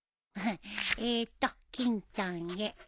えーっと「きんちゃんへ」